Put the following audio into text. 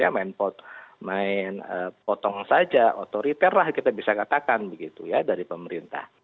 main potong saja otoriter lah kita bisa katakan dari pemerintah